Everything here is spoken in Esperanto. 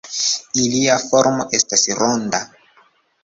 Ilia formo estas ronda.